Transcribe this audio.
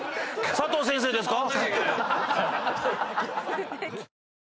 佐藤先生ですか